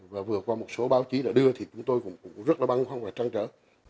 và vừa qua một số báo chí đã đưa thì chúng tôi cũng rất là băng hoang và trăng trở